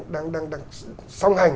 đang song hành